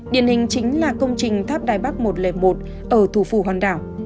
điển hình chính là công trình tháp đài bắc một trăm linh một ở thủ phủ hòn đảo